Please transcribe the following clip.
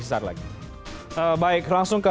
sesaat lagi baik langsung ke